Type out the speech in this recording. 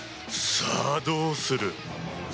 さあどうする？